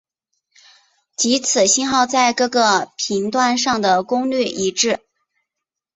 即此信号在各个频段上的功率一致。